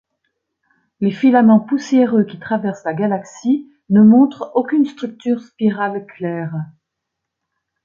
Les filaments poussiéreux qui traversent la galaxie ne montrent aucune structure spirale claire.